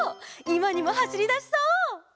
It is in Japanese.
いまにもはしりだしそう！